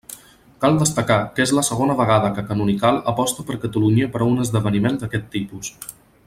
Cal destacar que és la segona vegada que Canonical aposta per Catalunya per a un esdeveniment d'aquest tipus.